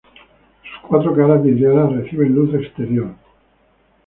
Sus cuatro caras vidriadas reciben luz exterior.